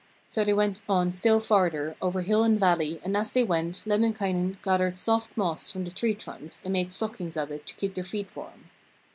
So they went on still farther, over hill and valley, and as they went, Lemminkainen gathered soft moss from the tree trunks and made stockings of it to keep their feet warm.